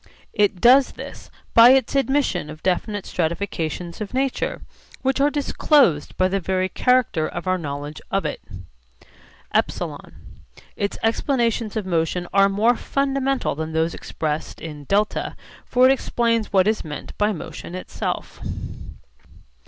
It does this by its admission of definite stratifications of nature which are disclosed by the very character of our knowledge of it. (ε) Its explanations of motion are more fundamental than those expressed in (δ); for it explains what is meant by motion itself.